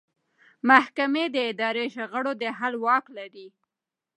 محکمې د اداري شخړو د حل واک لري.